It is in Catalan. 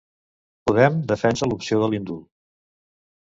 Podem defensa l'opció de l'indult.